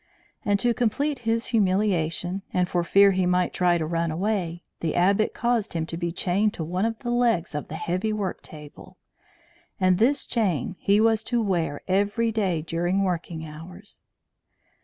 And to complete his humiliation, and for fear he might try to run away, the Abbot caused him to be chained to one of the legs of the heavy work table; and this chain he was to wear every day during working hours.